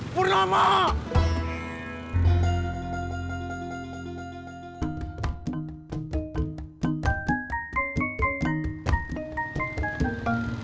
pertama kali pak